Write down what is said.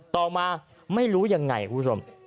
ต่อมาไม่รู้อย่างไรผู้ชม